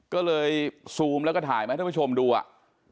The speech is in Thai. ก็เลยซูมแล้วก็ถ่ายมาให้ท่านผู้ชมดูอ่ะ